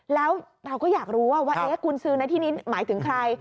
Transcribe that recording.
แล้วเราก็อยากรู้ว่าคุณซื้อในที่นี้หมายถึงใคร